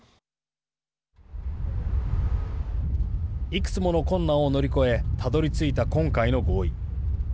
いくつもの困難を乗り越えたどりついた今回の合意。